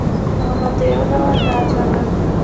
هغه ماته یو ډول ډاډ راکړ.